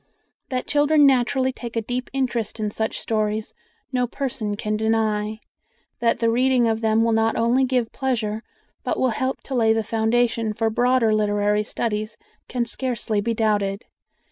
That children naturally take a deep interest in such stories, no person can deny; that the reading of them will not only give pleasure, but will help to lay the foundation for broader literary studies, can scarcely be doubted.